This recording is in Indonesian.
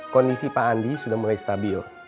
kondisi pak andi sudah mulai stabil